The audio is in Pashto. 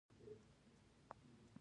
کروندګر او ښارونه یې ځواکمن کړل